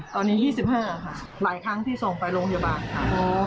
ตอนนี้๒๕ค่ะหลายครั้งที่ส่งไปโรงพยาบาลค่ะ